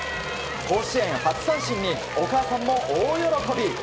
甲子園初三振にお母さんも大喜び。